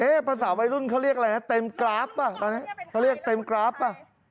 เอ๊ะปราศาบัยรุ่นเขาเรียกอะไรแตมกราฟเหรอ